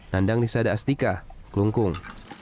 nandang di sada astika klungkung